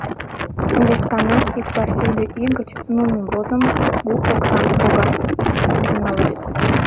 Вескана, иктаж шӱдӧ ий гыч, нунын возымышт кугу оксам шогаш тӱҥалеш.